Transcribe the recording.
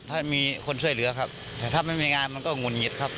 ถ้ามีคนช่วยเหลือครับแต่ถ้าไม่มีงานมันก็หงุดหงิดครับ